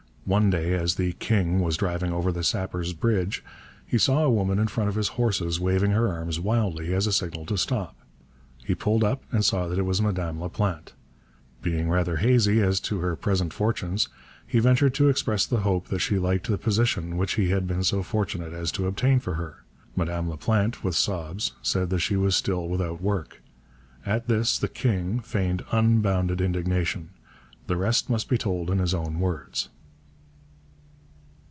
One day, as the 'King' was driving over the Sappers Bridge, he saw a woman in front of his horses waving her arms wildly as a signal to stop. He pulled up, and saw that it was Madame Laplante. Being rather hazy as to her present fortunes, he ventured to express the hope that she liked the position which he had been so fortunate as to obtain for her. Madame Laplante, with sobs, said that she was still without work. At this the 'King' feigned unbounded indignation. The rest must be told in his own words.